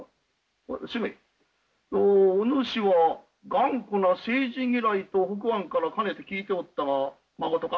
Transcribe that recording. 主馬お主は頑固な政治嫌いと北庵からかねて聞いておったがまことか？